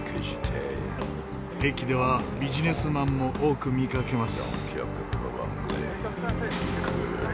駅ではビジネスマンも多く見かけます。